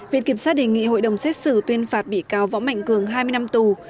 viện kiểm sát đề nghị hội đồng xét xử tuyên phạt bị cáo võ mạnh cường hai mươi năm tù